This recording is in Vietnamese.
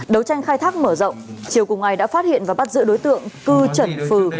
đấu tranh khai thác mở rộng chiều cùng ngày đã phát hiện và bắt giữ đối tượng cư trần phừ